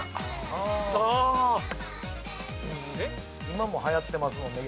今もはやってますもんね